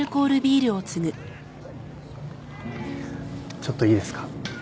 ちょっといいですか？